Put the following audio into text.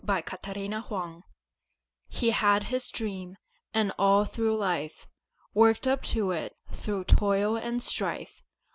HE HAD HIS DREAM He had his dream, and all through life, Worked up to it through toil and strife.